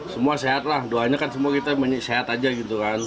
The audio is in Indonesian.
semua sehat lah doanya kan semua kita sehat aja gitu kan